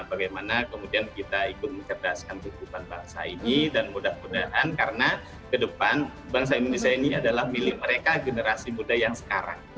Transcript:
bagaimana kemudian kita ikut mencerdaskan kehidupan bangsa ini dan mudah mudahan karena ke depan bangsa indonesia ini adalah milik mereka generasi muda yang sekarang